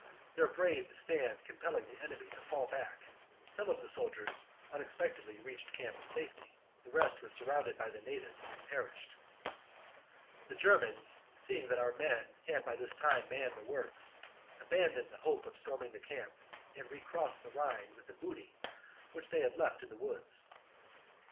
Their brave stand compelling the enemy to fall back, some of the soldiers un expectedly reached camp in safety ; the rest were surrounded by the natives and perished. 41. The Germans, seeing that our men had Continued panic in the by this time manned the works, abandoned the camp after 1 r • 1 11*^^^ depart hope of stormmg the camp, and recrossed the ureofthe Rhine with the booty which they had left in the woods.